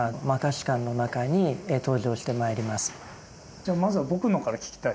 じゃあまずは僕のから聞きたいな。